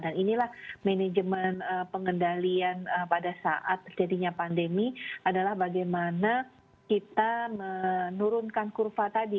inilah manajemen pengendalian pada saat jadinya pandemi adalah bagaimana kita menurunkan kurva tadi